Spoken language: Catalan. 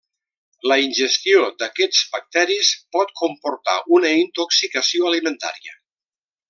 La ingestió d'aquests bacteris pot comportar una intoxicació alimentària.